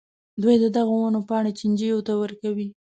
دوی د دغو ونو پاڼې چینجیو ته ورکوي.